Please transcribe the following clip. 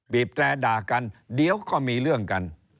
แตรด่ากันเดี๋ยวก็มีเรื่องกัน